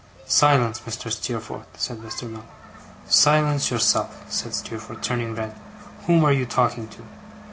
'Silence, Mr. Steerforth!' said Mr. Mell. 'Silence yourself,' said Steerforth, turning red. 'Whom are you talking to?